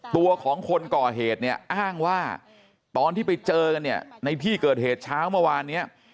ตัวของคนก่อเหตุเนี่ยอ้างว่าตอนที่ไปเจอกันเนี่ยในที่เกิดเหตุเช้าเมื่อวานเนี่ย